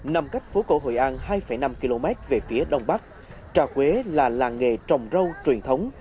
nằm cách phố cổ hội an hai năm km về phía đông bắc trà quế là làng nghề trồng rau truyền thống